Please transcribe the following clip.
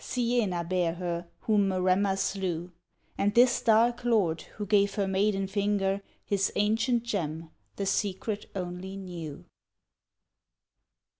Siena bare her, whom Maremma slew; And this dark lord, who gave her maiden finger His ancient gem, the secret only knew."